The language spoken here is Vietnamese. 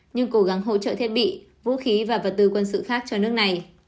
nhưng cố gắng hỗ trợ thiết bị vũ khí và vật tư quân sự khác cho nước này